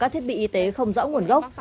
thiết bị y tế không rõ nguồn gốc